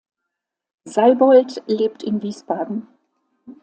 Seibold lebt in Wiesbaden.